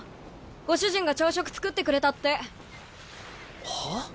ご主人が朝食作ってくれたって。はあ？